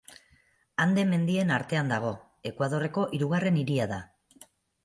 Ande mendien artean dago, Ekuadorreko hirugarren hiria da.